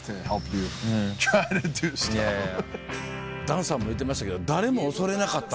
ダンさんも言ってましたけど誰も恐れなかったって。